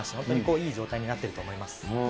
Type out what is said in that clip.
いい状態になってると思います。